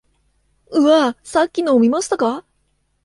うわあ！さっきのを見ましたか？